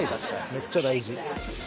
めっちゃ大事。